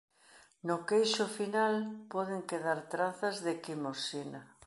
No queixo final poden quedar trazas de quimosina.